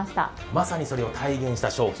まさにそれを体現した商品。